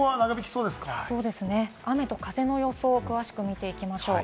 そうですね、雨と風の予想を詳しく見ていきます。